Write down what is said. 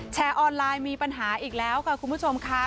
แชร์ออนไลน์มีปัญหาอีกแล้วค่ะคุณผู้ชมค่ะ